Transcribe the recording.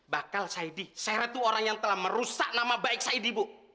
bakal saidin seret tuh orang yang telah merusak nama baik saidin bu